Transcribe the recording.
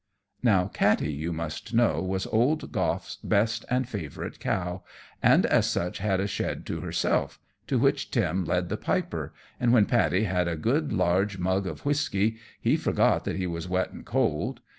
Now Katty, you must know, was old Goff's best and favourite cow, and as such had a shed to herself, to which Tim led the Piper; and when Paddy had a good large mug of whisky, he forgot that he was wet and cold.